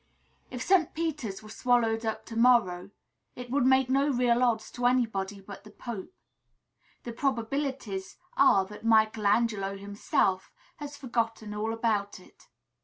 If St. Peter's were swallowed up to morrow, it would make no real odds to anybody but the Pope. The probabilities are that Michel Angelo himself has forgotten all about it.